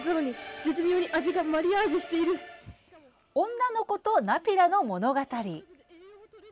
女の子とナピラの物語。